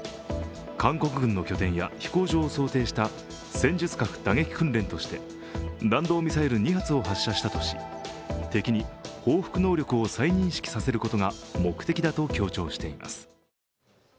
韓国軍の拠点や飛行場を想定した戦術核打撃訓練として弾道ミサイル２発を発射したとし敵に報復能力を再認識させることが目的だと強調しています。